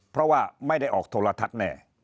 เพราะว่าไม่ได้ออกโทรทัศน์แน่